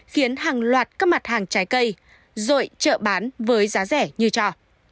bán hàng loạt các mặt hàng trái cây rồi chợ bán với giá rẻ như cho